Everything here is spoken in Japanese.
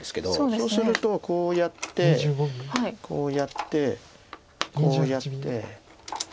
そうするとこうやってこうやってこうやって。